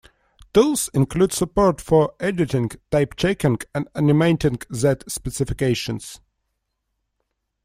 Tools include support for editing, typechecking and animating Z specifications.